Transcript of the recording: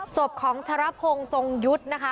ศพของชะรพงศ์ทรงยุทธ์นะคะ